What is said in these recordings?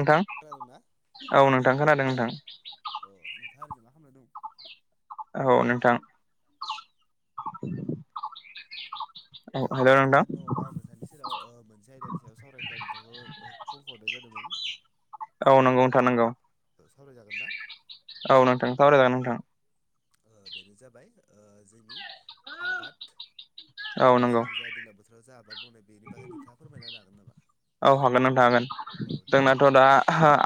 नोंथां खोनादोंना औ नोंथां खोनादों नोंथां अ नोंथां आरो ज खालामनाय दं औ नोंथां ओ औ हेलौ नोंथां नोंथाङा दङबा आं नोंथांनि सेराव मोनसे आयदानि सायाव सावरायनो थाखाय नोंथांखौ फन हरनाय जादोंमोन औ नंगौनो थानांगौ रायलायजागोन दा औ नोंथां सावराय जागोन नोंथां बेनो जाबाय ओ जोंनि आबाद औ एबा नंगौ जोंनि जा दैलां बोथोराव जा आबाद मावनाय बेनि बागै नोंथाङा फोरमायनो हागोन नामा औ हागोन नों थागोन औ दिनै जोंनाथ' दा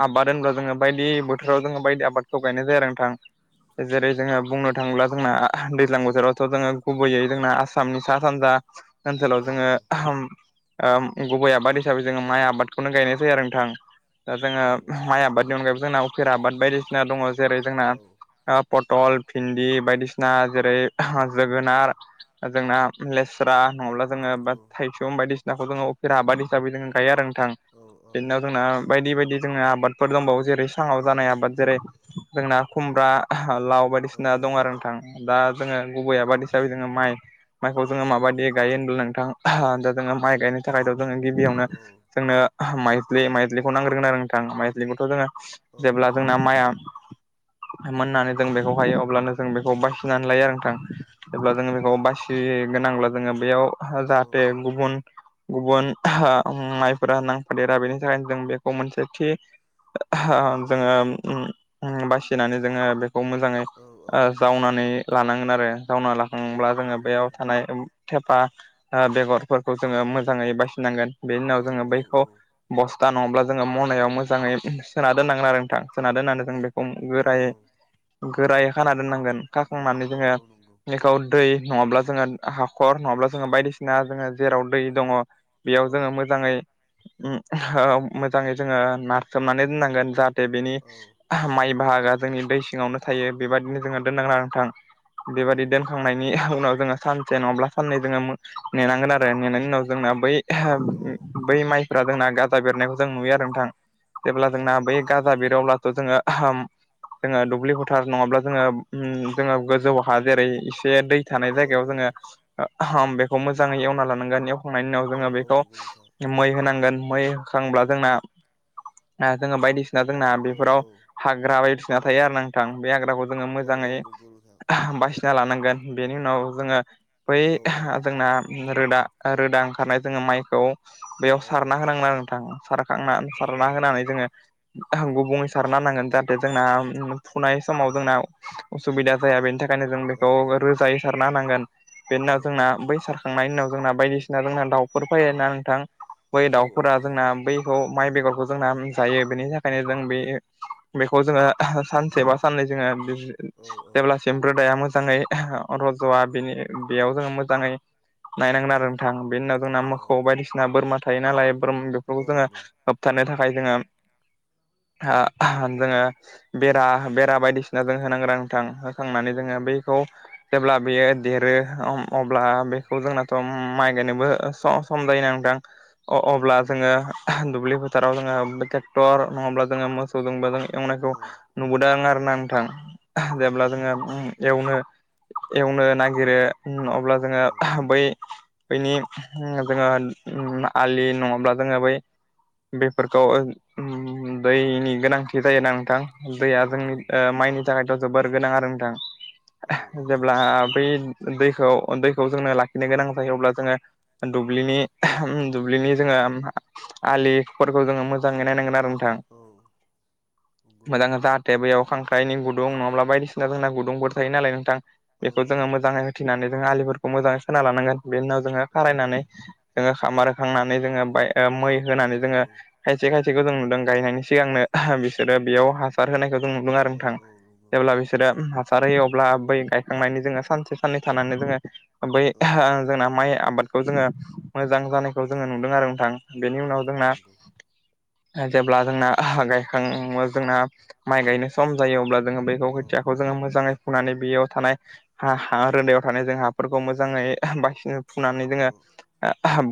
आबाद होनब्ला जोङो बायदि बोथोराव जोङो बायदि आबादखौ गायनाय जाया नोंथां जेरै औ जोङो बुंनो थाङोब्ला जोंना दैज्लां बोथोरावथ' जोंङो गुबैयै जोंना आसामनि सा सानजा औ ओनसोलाव औ जोंङो गुबै आबाद हिसाबै जोंङो माइ आबादखौनो गायनाय जायो आरो नोंथां दा जोंङो औ माइ आबादनि अनगायैबो जोंना उफेरा आबाद बायदिसिना दंङ जेरै जोंना पटल भिन्दि बायदिसिना जेरै जोगोनार जोंना लेस्रा नंङाब्ला जोंङो बा थाइसुम बायदिसिनाखौ जोंङो अफेर आबाद हिसाबै जोंङो गायो आरो नोंथां बेनि उनाव जोंना बायदि बायदि जोंङो आबादफोर दंबावो जेरै साङाव जानाय आबाद जेरै जोंना खुमब्रा लाव बायदिसिना दं आरो नोंथां दा जोंङो गुबै आबाद हिसाबै जोंङो माइ माइखौ जोंङो माबायदि गायो होनब्ला नोंथां दा जोंङो माइ गायनो थाखायथ' जोंङो गिबियावनो जोंनो माइज्लि-माइज्लिखौ नांग्रोगोन आरो नोंथां माइज्लिखौथ' जोंङो जेब्ला जोंना माइआ मोननानै जों बेखौ हायो अब्लानो जों बेखौ बासिनानै लायो आरो नोंथां जेब्ला जोंङो बेखौ बासिगोनांब्ला जोंङो बेयाव जाहाथे गुबुन-गुबुन ओ माइफोरा नांफादेरा बेनि थाखायनो जों बेखौ मोनसेथि ओ जोंङो अम अम बासिनानै जोंङो बेखौ मोजाङै औ औ ओ जावनानै लानांगोन आरो जावना लाखांब्ला औ जोंङो नंगौ बेयाव नोंथां थानाय थेफा ओ बेगरफोरखौ जोंङो मोजाङै बासिनांगोन बेनि उनाव औ जोंङो औ बैखौ बस्था नङाब्ला जोंङो मनायाव मोजाङै सोना दोननांगोन आरो नोंथां सोना दोननानै जों बेखौ औ नंगौ औ गोरायै गोरायै खाना दोननांगोन खाखांनानै जोंङो नंगौ नोंथां बेखौ दै नङाब्ला जोंङो हाखर नङाब्ला जोंङो बायदिसिना जोंङो जेराव दै दंङ बेयाव जोंङो मोजाङै अम ओ मोजाङै जोंङो नारसोमनानै दोननांगोन जा बेनि माइ बाहागोआ जोंनि दै सिङावनो थायो बेबादिनो जोंङो दोनांगोन आरो नोंथां। बेबायदि दोनखांनायनि उनाव जोंङो सान से नङाब्ला साननै जोंङो नेनांगोन आरो नेनायनि उनाव जोंना बै ओ बै माइफ्रा जोंना गाजा बेरनायखौ जों नुयो आरो नोंथां जेब्ला जोंना बै गाजा बेरो अब्लाथ' जोंङो जोंङो दुब्लि फोथार नङाब्ला जोंङो जोंङो गोजौ हा जेरै जे दै थानाय जायगायाव औ औ जोंङो बेखौ मोजाङै एवना लानांगोन एवखांनायनि उनाव औ जोंङो बे खौ नंगौ नोंथां मै होनांगोन मै होखांब्ला जोंना जोंङो बायदि सिना जोंना औ बेफोराव औ हाग्रा बायदिसिना थायो आरो नोंथां बे हाग्राखौ जोंङो मोजाङै नंगौ नोंथां बासिना लानांगोन बेनि उनाव जोंङो बै औ औ जोंना रोदा रोदा ओंखारनाय जोंङो माइखौ बेयाव औ सारना होनांगोन आरो नोंथां सारखांना औ नंगौ सारना होनानै नोंथां जोंङो गुबुंयै सारना होनांगोन जाहाथे जोंना फुनाय समाव जोंना उसुबिदा जाया बेनि था बेखायनो जों औ बेखौ औ रोजायै सारना होनांगोन बेनि औ उनाव औ जोंना बै सारखांनायनि उनाव जोंना बायदिसिना जोंना दाउफोर फायो ना नोंथां बै औ औ दाउफोरा फैयो जोंना बैखौ माइ बेगरखौ जोंना जायो बेनि थाखायनो जों बे बेखौ जोंङो सानसे बा साननै जोंङो औ जेब्लासिम रोदाया मो जाङै रज'वा बेनि बेयाव जोंङो मोजाङै नायनांगोन आरो नोंथां बेनि उनाव जोंना मोखौ बायदिसिना बोरमा थायो नालाय बोरमा बेफोरखौ जोंङो होबथानो थाखाय जोंङो ओ जोंङो बेरा-बेरा बायदिसिना जों होनांगोन आरो नोंथां होखांनानै जोंङो बैखौ जेब्ला बेयो देरो अब्ला बेखौ जोंनाथ' माइ गायनोबो स-सम जायो नोंथां औ अ-अब्ला औ जोंङो दुब्लि फो थाराव जोंङो ट्रेक्टर नङाब्ला जोंङो मोसौजोंबो एवनायखौ नुबोदों आरोना नोंथां। जेब्ला जोंङो एवनो एवनो नागिरो अब्ला जोंङो बै बैनि अम जोंङो अम आलि नङाब्ला जोंङो बै बेफोरखौ दैनि गोनांथि जायोना नोंथां औ दैया औ जोंनि नंगौ ओ माइनि थाखायथ' जोबोर गोनां आरो नोंथां औ औ जेब्ला बै दैखौ दैखौ जोंनो लाखिनो गोनां जायो अब्ला जोङो दुब्लिनि दुब्लिनि जोङो आलिफोरखौ जोङो मोजाङै नायनांगोन आरो। औ नंगौ मोजां जाहाथे बेयाव खांख्राइनि गुदुं नङाब्ला बायदिसिना जोंना गुदुंफोर थायो नालाय नोंथां बेखौ जोङो मोजाङै होथेनानै जोङो आलिफोरखौ मोजाङै खोना लानांगोन। बेनि उनाव जोङो खारायनानै जोङो सामार होखांनानै जोङो ओ मै होनानै जोङो खायसे खायसेखौ जों गायनायनि सिगांनो बिसोरो बेयाव हासार होनायखौ जों नुदों आरो नोंथां। जेब्ला बिसोरो हासार होयो अब्ला बै गायखांनायनि जोङो सानसे साननै थानानै जोङो बै जोंना माइ आबादखौ जोङो मोजां जानायखौ जोङो नुदों आरो नोंथां। बेनि उनाव जोंना जेब्ला जोंना हा गायखां जोंना माइ गायनो सम जायो अब्ला जोङो बेैखौ खोथियाखौ जो मोजाङै फुनानै बेयाव थानाय हा हा रोदायाव थानाय जों हाफोरखौ मोजाङै बासिनो फुनानै औ जोङो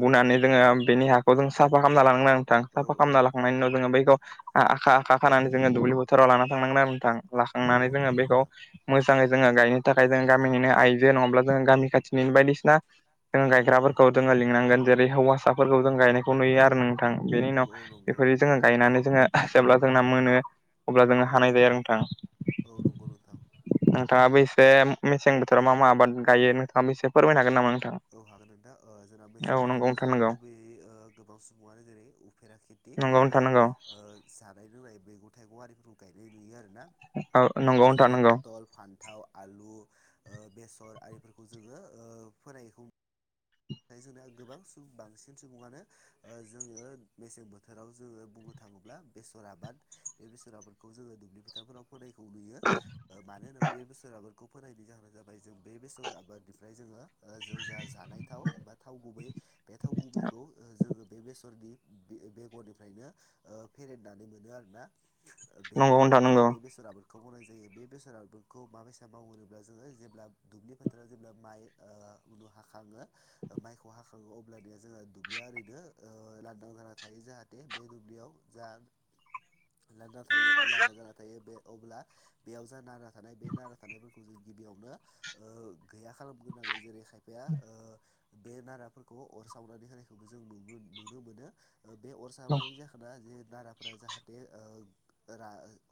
बुनानै जोङो बेनि हाखौ जों साफा खालामना लांनांगौ। औ साफा औ खालामना लांनायनि उनाव जोङो बैखौ आखा आखा खानानै जोङो दुब्लि बोथोराव लाना थांनांगोन आरो नोंथां। हाखांनानै औ जोङो नंगौ बेखौ नोंथां मोजाङै जोङो गायनो थाखाय जों गामिनिनो आइजो नङाब्ला जों गामि खाथिनिनो बायदिसिना जों औ गायग्राफोर खौ जोङो लिंनांगोन। जेरै हौवासाफोरखौ जों गायनायखौ नुयो आरो नोंथां बेनि औ उनाव औ नंगौ बेफोरदि जोङो गायनानै जोङो जेब्ला जोंना मोनो अब्ला जोङो औ हानाय जायो आरो नोंथां। औ नंगौ नोंथां नोंथाङाबो एसे मेसें बोथोराव मा मा आबाद गायो नोंथाङा बेसे फोरमायनो हागोन नामा? नोंथां औ हागोन नोंथा। ओ जोंना औ मेसें नंगौ बोथोरावथ' नोंथां जोंना नंगौ गुबै ओ गोबां सुबुङानो जेरै उफेरा खि नंगौ एबा नोंथां नंगौ ओ जानाय लोंनाय मैगं थाइगं आरिफोरखौ गायनाय नुयो। औ नंगौ नोंथां नंगौ आलु ओ बेसर आरिफोरखौ जोङो ओ फोनायखौ नाथाय जोंना गोबां बांसिन सुबुङानो ओ जोङो मेसें बोथोराव जोङो बुंनो था ङोब्ला बेसर आबाद बेसर आबादखौ जोङो दुब्लि फोथारफोराव फोनायखौ नुयो। मानो होनना बे बेसोर फोनायनि जाहोना जाबाय जों बेसर आबादनिफ्राय जोङो जों जा जानाय थाव एबा गुबै बे थाव गुबैखौ जोङो बे बेसरनि बेगरनिफ्रायनो फोनानै मोनो आरोना। बेनि नंगौ नोंथां थाखायनो जों नंगौ बेसर आबादखौ खौ मावनाय जायो। मेसेङाव बेखौ माबायसा मावोब्ला जोङो जेब्ला दुब्लि फोथाराव जेब्ला माइ उन जाखाङो माइखौ हाखाङो अब्ला जों दा लान्दां थायो लान्दां जाना थायो बे अब्ला बेयाव जा नारा थानाय बे नारा थानायफोरखौ जों गिबियावनो ओ गैया खालामग्रोनांगोन जेरै खायफाया बे नाराफोरखौ अर सावनानै होनायखौबो जों न नुनो मोनो। बे अर सावनायनि जाहोना जे नाराफोरा जाहाथे ओ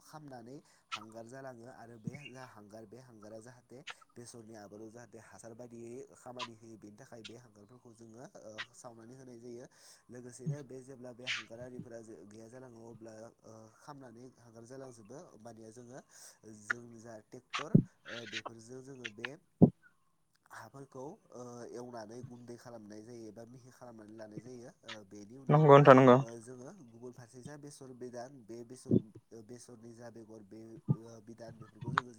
खामनानै हांगार जालाङो आरो बे जा हांगार बे हांगारा जाहाथे बेसरनि आबादाव जाहाथे हासार बायदियै खामानि होयो बेनि थाखाय बे हांगारफोरखौ जोङो ओ सावनानै होनाय जायो लोगोसेनो बे जेब्ला बे हांगारफोरा जों गैया जालाङो अब्ला ओ खामनानै हांगार जालां जोबोर होमबानिया जोङो जों थेक्टर ओ बेफोरजों जोंङो बे गुन्दै खालामनाय जायो एबा मिहि खालामनानै लानाय जायो। ओ बेनि उनाव नंगौ नोंथां नंगौ जोङो फारसे जा बेसर बेदान बे बेसर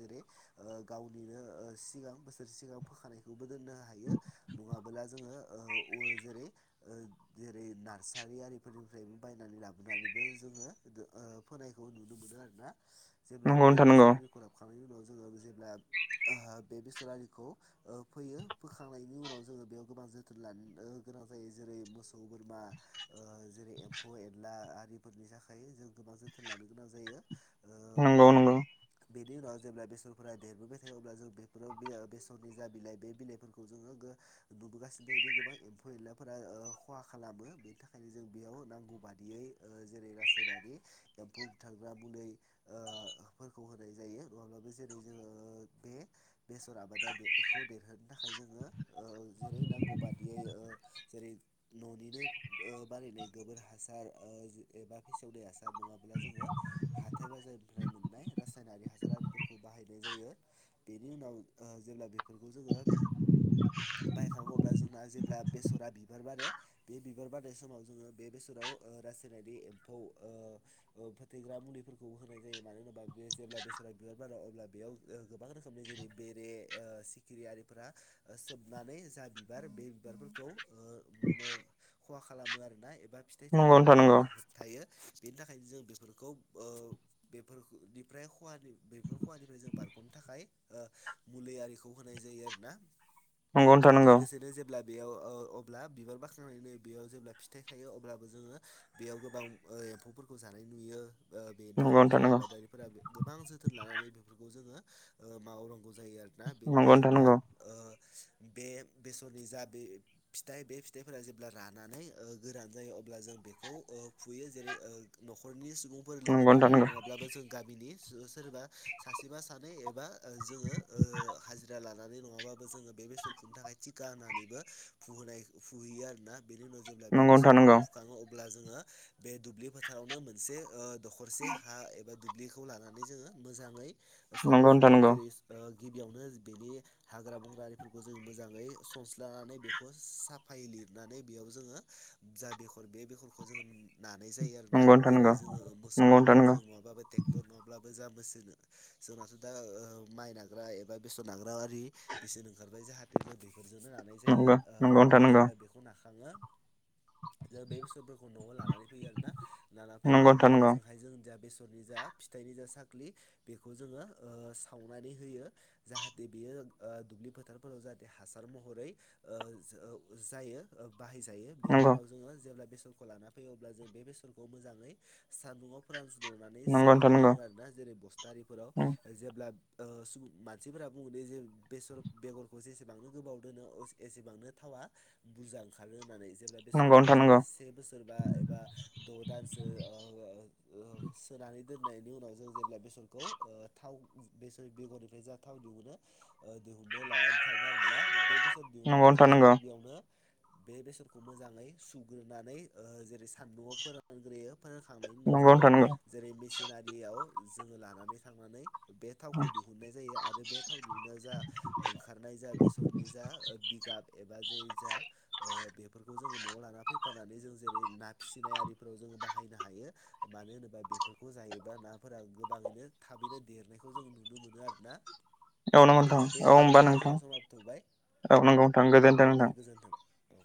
जेरै- ओ गावनिनो ओ सिगां बोसोरसे सिगाव फोखानायखौबो दोननो हायो। नङाबोला जोङो औ उर जेरै नारसारि आरिफोरनिफ्राय लाबोनानैबो जोङो ओ फोनायखौ नुनो मोनो आरोना। जेब्ला नंगौ बे नोंथां बेसरनि आबाद खालामखांनायनि उनाव जोङो जेब्ला आ बे बेसरालिखौ फैयो ओ फोखांनायनि उनाव जोङो बेयाव गोबां जोथोन लानोगोनां जायो जेरै मोसौ बोरमा ओ जेरै एमफौ एनला आ हाफोरनि थाखाय जों गोबां जोथोन लानो गोनां जायो ओ नंगौ नंगौ बेनि उनाव जेब्ला बेसरफोरा देरबोबाय थायो अब्ला जों बेफोराव बेया बेसरनि जा बिलाइ बे बिलाइफोरखौ जोङो गो नुबोगासिनो दोङो बिदि गोबां एम्फौ एनलाफोरा खहा खालामो बेनि थाखायनो जों बेयाव नांगौ बादियै ओ जेरै रासायनारि एम्फु बुथारग्रा मुलिफोरखौ होनाय जायो अब्लाबो जेरै जोङो ओ बे बेसर आबादा बेखौ दैखांनो थाखाय जोङो ओ जेरै नांगौ बादियै ओ जेरै न'निनो ओ बानायनाय गोबोर हास- सार ओ एबा फेसेवनाया सार नङाब्ला जोङो हाथाय बाजारनिफ्राय मोननाय रासायनारि हासार आरारिफोरखौ बाहायनाय जायो बेनि उनाव ओ जेब्ला बे खौजोङो बायखाङो अब्ला जोंना जे ब्ला बेसरा बिबार बारो बे बिबार बारनाय समाव जोङो बे बेसराव ओ रासायनारि एम्फौ ओ फोथैग्रा मुलिफोरखौ होनाय जायो मानो होनोबा बे जेब्ला बेसरा बिबार बारो अब्ला बेयाव ओ गोबां रोखोमनि जेरै बेरे ओ सिखिरियारिफोरा सोब- नानै जा बिबार बे बिबारफोरखौ ओ ओ खहा खालामो आरोना बा फिथाइ थायनायाव ओ नंगौ होबथायायो बेनि थाखायनो जों बेफोरखौ ओ बेफोरनिफ्रायवानि बेफोर खवानिफ्राय जों बारग'नो थाखाय थाखाय ओ मुलिआरिखौ होनाय जायो आरोना नंगौ नंगौ लोगोसेनो जेब्ला बेयाव ओ अब्ला बिबार बाख्नानैनो बेयाव जेब्ला फिथाइ थायो अब्लाबो जोङो बेयाव गोबां एम्फौफोरखौ जानाय नुयो ओ बेनि नंगौ थाखायनो नोंथां जों नंगौ आबादारिफोरा गोबां जोथोन लानानै बेफोरखौ जोङो ओ मावा माव- नांगौ जायो आरोना बेनि नंगौ उनाव नोंथां जेब्ला नंगौ ओ बे बेसरनि जा बे फिथाइ बे फिथाइफोरा जेब्ला रानानै ओ गोरान जायो अब्ला जों बेखौ ओ फुयो जेरै ओ न'खरनि सुबुंफोर लोगो नंगौ नोंथां नांनाय नङाब्लाबो जों गामिनि सो सोरबा सासेबा सानै एबा जोङो हाजिरा लानानै नङाबो जोङो बेसर फुनो थाखाय थटिखा होननानैबो फुहोनाय फुहैयो आरोना बेनि उनाव जेब्ला बे बेसरफोरखौ नंगौ फुखाङो अब- अब्ला जोङो बे दुब्लि फोथारावनो मोनसे ओ दखरसे हा एबा दुब्लिखौ लानानै जोङो मोजाङै साफा नंगौ नोंथां खामनानै नंगौ जेरै ओ गिबियावनो बेनि हाग्रा बंग्रा आरिफोरखौ जों मोजाङै सनस्लनानै बेखौ साफायै लिरनानै बेयाव जोङो जा बेगर बे बेगरखौ जोङो नानाय जायो आरो ना नंगौ नोंथां जेरै नंगौ जोङो नंगौ मोसौफोर नोंथां नंगौ जों नङाबाबो ट्रेक्टर नङाब्लाबो जा बोसोनो जोंनाथ' दा माइ नाग्रा एबा बेसर नाग्रा आरि बिसोरनो ओंखारबाय जाहाथे उदैफोरजोंनो नानाय जायो नंगौ नोंथां नंगौ नोंथां नंगौ नोंथां नंगौ नोंथां नंगौ नोंथां नंगौ नोंथां नंगौ नोंथां नंगौ नोंथां नंगौ बेनि उनाव जेब्ला बेखौ नाखाङो जों बे बेसरफोरखौ न'वआव लानानै फैयो आरोना लानाफैनो नंगौ ओमफ्राय नोंथां नंगौ ओजोंहाय जों ज बेसर नि जा फिथाइनि जा साख्रलि बेखौ जोङो ओ सावनानै होयो जाहाथे बेयो ओ दुब्लि फोथारफोराव जाहाथे हासार महरै जायो बाहायजायो बेनि उनाव जोङो जेब्ला बेस- बेसरखौ लाना फैयो अब्ला जों बेसनखौ मोजाङै सान्दुं फोरानो रुनानै सोनानै दोनो आरोना जेरै बस्तानि फोराव जेब्ला ओ मानसिफोरा बुंङोदि जे बेसर बेगरखौ जेसेबांनो गोबाव दोनो एसेबांनो थावा बुरजा ओंखारगोन होननानै जेब्ला बेसरखौ जोङो ओ से बोसोर बा एबा द' दानसो ओ ओ ओ [unintelligible] सोनानै दोननायनि उनाव जों जेब्ला बेसरखौ ओ थाव बेसर बेगरनिफ्राय जा थाव दिहुनो ओ दिहुननो लानानै थाङो आरो ना बे बेसाद दिहुननो लानानै थाङो जा गिबियावनो बे बेसनखौ मोजाङै सुग्रोनानै ओ जेरै सान्दुंआव फोरानग्रोयो फोरानखांनायनि उनाव जोङो जेरै मेसिनारियाव जोङो लानानै थांनानै बे थावखौ दिहुननाय जायो आरो बे थाव दिहुनायाव जा ओंखारनाय जा बेसरनि जा बिगा एबा जे जा ओ बेफोरखौ जोङो नु लाना फैफानानै जों जेरै ना फिसिनाय आरिफोराव जों बाहायनो हायो मानो होनोबा बेफोरखौ जायो। बेबा नाफोरा गोबाङैनो थाबैनो देरनायखौ जों नुनो मोनो आरोना। एव नांगौ ओ दे नोंथां औ होमबा न' होबा नोंथां जोंना समाबो थौबाय औ नंगौ नोंथां औ गोजोन्थों दे नोंथां। गोजोन्थों औ